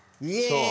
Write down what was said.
そう。